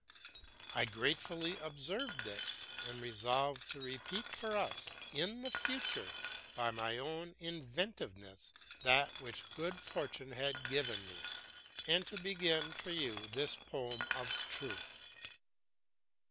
I gratefully observed this and resolved to repeat for us in the future by my own inventiveness that which good fortune had given me, and to begin for you this poem of truth.